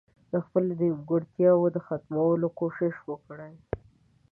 د خپلو نيمګړتياوو د ختمولو کوشش وکړي.